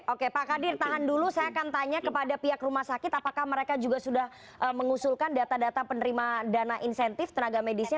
oke pak kadir tahan dulu saya akan tanya kepada pihak rumah sakit apakah mereka juga sudah mengusulkan data data penerima dana insentif tenaga medisnya